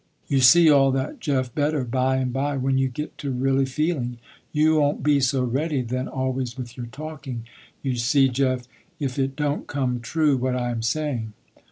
You see all that, Jeff, better, by and by, when you get to really feeling. You won't be so ready then always with your talking. You see, Jeff, if it don't come true what I am saying."